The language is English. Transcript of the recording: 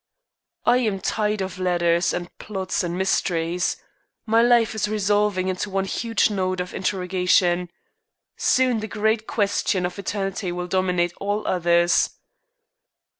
"I am tired of letters, and plots, and mysteries. My life is resolving into one huge note of interrogation. Soon the great question of eternity will dominate all others."